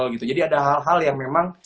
gitu jadi ada hal hal yang memang